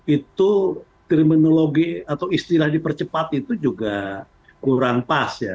itu terminologi atau istilah dipercepat itu juga kurang pas ya